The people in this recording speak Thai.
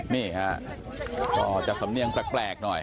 นี่ครับพอจะสำเนียงแปลกหน่อย